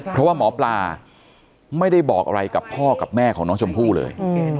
เพราะว่าหมอปลาไม่ได้บอกอะไรกับพ่อกับแม่ของน้องชมพู่เลย